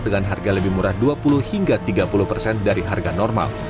dengan harga lebih murah dua puluh hingga tiga puluh persen dari harga normal